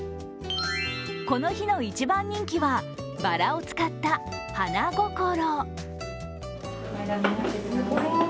この日の一番人気は、バラを使ったはなごころ。